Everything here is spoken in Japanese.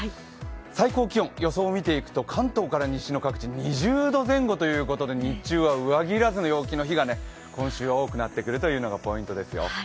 最高気温、予想を見ていくと関東から西の各地、２０度ぐらいということで日中は上着要らずの日が今週は多くなっているのがポイントですよ。